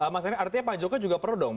maksudnya pak jokowi juga perlu dong